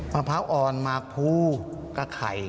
มะพร้าวอ่อนมะพูกะไข่